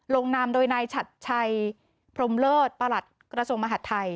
ลงนามโดยนายฉัดชัยพรมเลิศประหลัดกระทรวงมหาดไทย